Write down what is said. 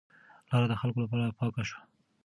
لار د خلکو لپاره پاکه شوه.